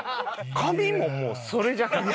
髪ももうそれじゃなかった？